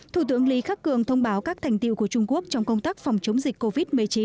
thủ tướng lý khắc cường thông báo các thành tiệu của trung quốc trong công tác phòng chống dịch covid một mươi chín